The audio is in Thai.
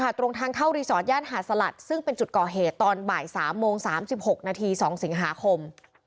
ปฎาตรงทางเข้าฮาสลัดซึ่งเป็นจุดก่อเหตุตอนบ่ายสามโมงสามสิบหกนาทีสองสิงหาคม